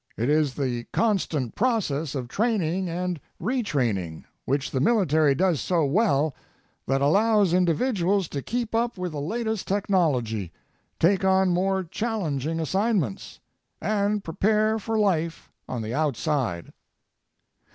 It is the constant process of training and retraining, which the military does so well, that allows individuals to keep up with the latest technology, take on more challenging assignments, and prepare for life on the outside.